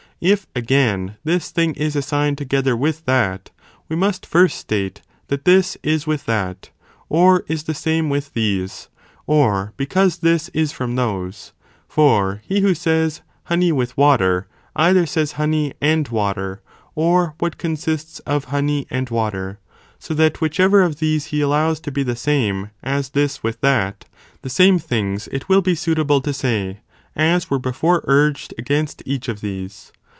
ΕΞ If again, this thing is assigned together with ΓΘ the) oe that, we must first state that this is with that, or fined, isequal 18 the same with these, or because this is from to one joined ~— those ; for he who says, honey with water, either ("hoceum' says honeyand water, or what consists of honey and Moe) water, so that whithever of these he allows to be the same as this with that, the same things it will be suitable 2. Obs. of ne to say, as were before urged against each of these.